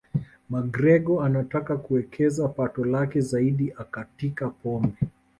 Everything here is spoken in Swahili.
McGregor anataka kuwekeza pato lake zaidi akatika pombe